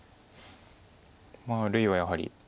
あるいはやはり。